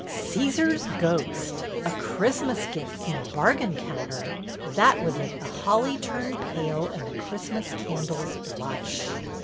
"Caesar's ghost! A Christmas gift from a bargain counter 1 That would make the holly turn pale and the Christmas candles blush."